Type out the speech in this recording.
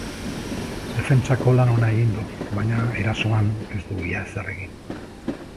Defentsako lan ona egin du, baina erasoan ez du ia ezer egin.